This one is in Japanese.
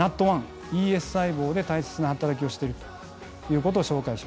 ＮＡＴ１ＥＳ細胞で大切な働きをしてるということを紹介しました。